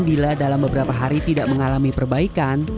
bila dalam beberapa hari tidak mengalami perbaikan